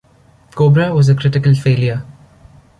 "Cobra" was a critical failure.